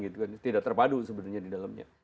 tidak terpadu sebenarnya di dalamnya